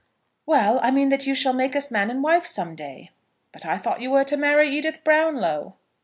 "Well, I mean that you shall make us man and wife some day." "But I thought you were to marry Edith Brownlow."